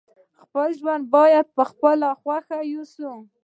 خپل ژوند باید په خپله خوښه وسي.